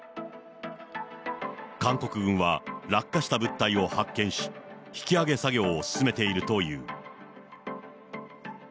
韓国軍は落下した物体を発見し、引き揚げ作業を進めているという。